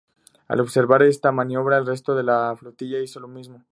Al observar esta maniobra, el resto de la flotilla hizo lo mismo.